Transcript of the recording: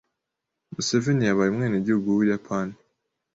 Museveni yabaye umwenegihugu w’Ubuyapani.